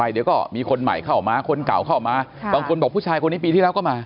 เดี๋ยวก็มีคนใหม่เข้ามาคนเก่าเข้ามาบางคนบอกผู้ชายคนนี้ปีที่แล้วก็มา